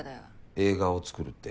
映画を作るって。